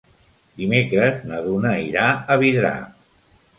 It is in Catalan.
Dimecres na Duna irà a Vidrà.